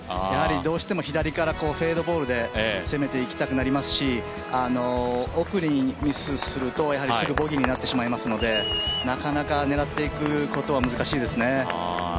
やはりどうしても左からフェードボールで攻めていきたくなりますし、奥にミスすると、すぐボギーになってしまいますので、なかなか狙っていくことは難しいですね。